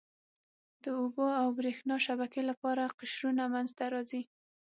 د اوبو او بریښنا شبکې لپاره قشرونه منځته راځي.